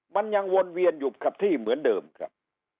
มันยังวนเวียนอยู่กับที่เหมือนเดิมครับ